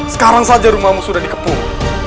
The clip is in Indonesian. sekarang saja rumahmu sudah dikepung